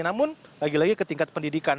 namun lagi lagi ke tingkat pendidikan